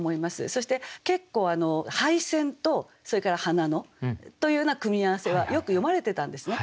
そして結構「廃線」とそれから「花野」というような組み合わせはよく詠まれてたんですね。